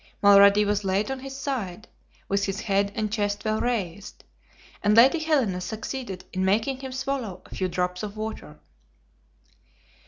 Mulrady was laid on his side, with his head and chest well raised, and Lady Helena succeeded in making him swallow a few drops of water.